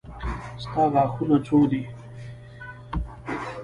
ستا غاښونه څو دي.